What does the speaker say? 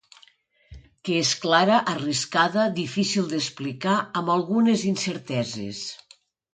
Que és clara, arriscada, difícil d’explicar, amb algunes incerteses.